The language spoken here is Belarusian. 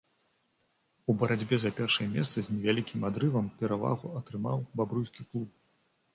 У барацьбе за першае месца з невялікім адрывам перавагу атрымаў бабруйскі клуб.